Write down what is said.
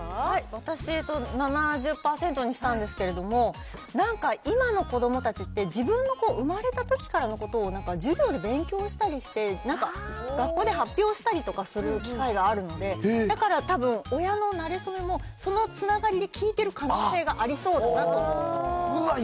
私も７０％にしたんですけれども、なんか、今の子どもたちって、自分の生まれたときからのことを授業で勉強したりして、なんか、学校で発表したりとかする機会があるので、だからたぶん、親のなれ初めもそのつながりで聞いてる可能性がありそうだなと。